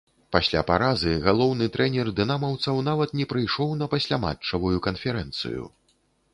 Пасля паразы галоўны трэнер дынамаўцаў нават не прыйшоў на пасляматчавую канферэнцыю.